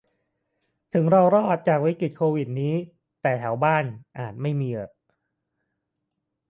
ถึงเรารอดชีวิตจากวิกฤติโควิดนี่แต่แถวบ้านอาจไม่มีอะ